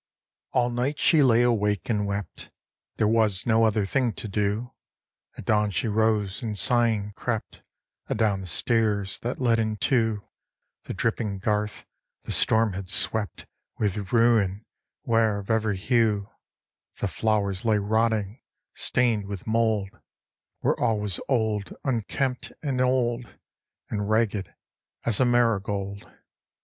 All night she lay awake and wept: There was no other thing to do. At dawn she rose and, sighing, crept Adown the stairs that led into The dripping garth, the storm had swept With ruin; where, of every hue, The flowers lay rotting, stained with mould; Where all was old, unkempt and old, And ragged as a marigold.